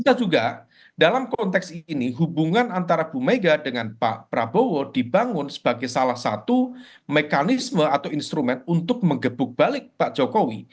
kita juga dalam konteks ini hubungan antara bu mega dengan pak prabowo dibangun sebagai salah satu mekanisme atau instrumen untuk menggebuk balik pak jokowi